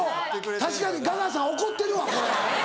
確かにガガさん怒ってるわこれ。